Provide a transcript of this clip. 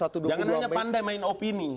jangan hanya pandai main opini